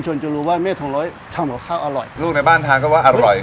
คุณจะรู้ว่าเมธงร้อยทำหรอกข้าวอร่อยลูกในบ้านทางก็ว่าอร่อย